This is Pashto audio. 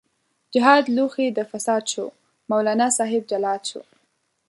جهاد لوښی د فساد شو، مولانا صاحب جلاد شو